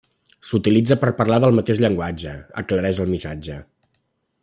S'utilitza per parlar del mateix llenguatge, aclareix el missatge.